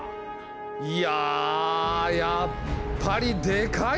いややっぱりでかいな！